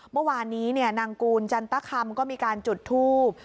เมื่อวานนี้นางกูลจันตคำก็มีการจุดทูบ